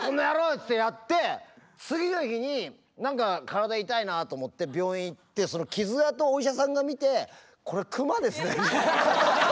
っつってやって次の日に何か体痛いなと思って病院行ってその傷痕をお医者さんが診て「これクマですね」。